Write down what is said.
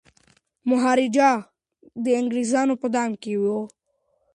مهاراجا هم د انګریزانو په دام کي و.